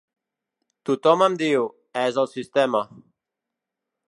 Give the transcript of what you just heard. Tothom em diu: és el sistema.